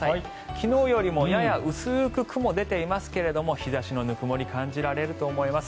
昨日よりもやや薄く雲が出ていますけども日差しのぬくもり感じられると思います。